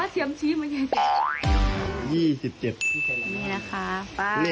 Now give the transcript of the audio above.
อ๋อเซียมซีมันเย็น